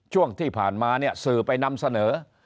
ช่วงที่ผ่านมาเนี่ยสื่อไปนำเสนอ